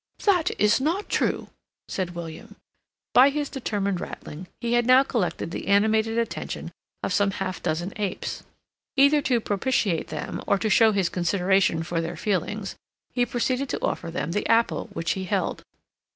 "That is not true," said William. By his determined rattling he had now collected the animated attention of some half dozen apes. Either to propitiate them, or to show his consideration for their feelings, he proceeded to offer them the apple which he held.